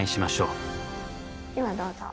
ではどうぞ。